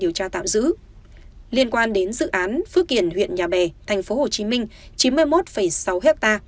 điều tra tạm giữ liên quan đến dự án phước kiển huyện nhà bè tp hcm chín mươi một sáu ha